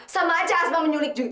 sama aja asma menyulik kevin